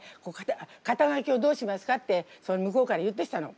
「肩書をどうしますか？」って向こうから言ってきたの。